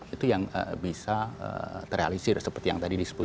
itu yang bisa terrealisir seperti yang tadi disebutkan